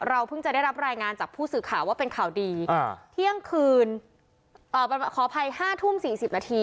เพิ่งจะได้รับรายงานจากผู้สื่อข่าวว่าเป็นข่าวดีเที่ยงคืนขออภัย๕ทุ่ม๔๐นาที